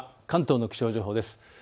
関東の気象情報です。